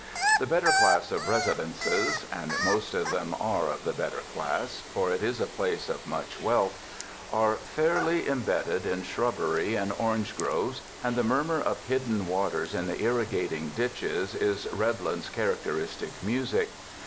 The better class of res idences — and most of them are of the better class, for it is a place of much wealth — are fairly em bedded in shrubbery and orange groves, and the murmur of hidden waters in the irrigating ditches is Redlands' characteristic music.